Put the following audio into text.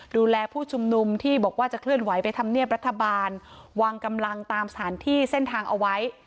ดูแลผู้ชุมนุมที่บอกว่าจะเคลื่อนไหวไปทำเนียบรัฐบาลวางกำลังตามสถานที่เส้นทางเอาไว้